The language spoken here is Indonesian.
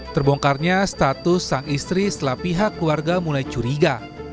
terbongkarnya status sang istri setelah pihak keluarga mulai curiga